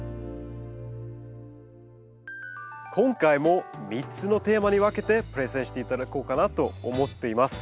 今回も３つのテーマに分けてプレゼンして頂こうかなと思っています。